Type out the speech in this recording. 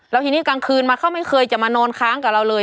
แล้วทีนี้กลางคืนมาเขาไม่เคยจะมานอนค้างกับเราเลย